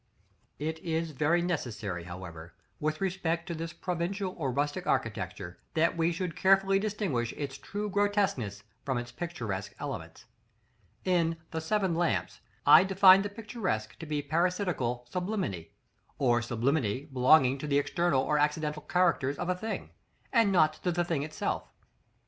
It is very necessary, however, with respect to this provincial or rustic architecture, that we should carefully distinguish its truly grotesque from its picturesque elements. In the "Seven Lamps" I defined the picturesque to be "parasitical sublimity," or sublimity belonging to the external or accidental characters of a thing, not to the thing itself.